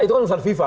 itu kan urusan fifa